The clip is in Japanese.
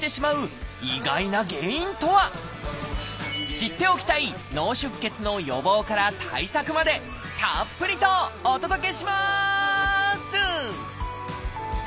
知っておきたい脳出血の予防から対策までたっぷりとお届けします！